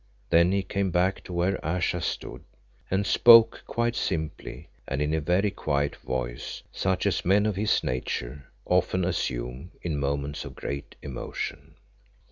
Then he came back to where Ayesha stood, and spoke quite simply and in a very quiet voice, such as men of his nature often assume in moments of great emotion.